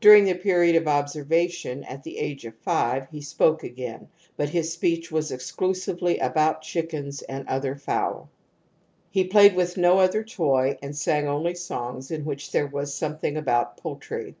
During the period of observation, at the age of five, he spoke again, but his speech was exclusively about chickens and other fowl. He played with no other toy and sang only songs in which there was some thing about poultry.